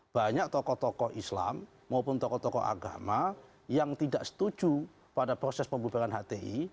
banyak tokoh tokoh islam maupun tokoh tokoh agama yang tidak setuju pada proses pembubaran hti